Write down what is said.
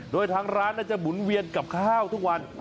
โดยทางร้านน่าจะหมุนเวียนกับข้าวทุกวัน